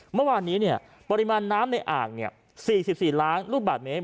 เมื่อวานนี้เนี่ยปริมาณน้ำในอ่างเนี่ย๔๔ล้างลูกบาทเมตร